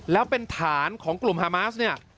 แล้วเป็นฐานของกลุ่มฮามาสเนี่ย